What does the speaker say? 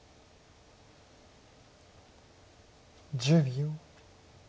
１０秒。